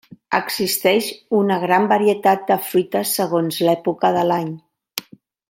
Existeix una gran varietat de fruites segons l'època de l'any.